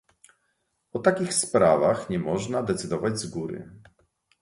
O takich sprawach nie można decydować z góry